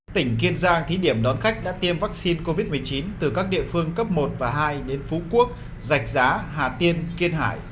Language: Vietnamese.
tỉnh kiên giang thí điểm đón khách đã tiêm vaccine covid một mươi chín từ các địa phương cấp một và hai đến phú quốc giạch giá hà tiên kiên hải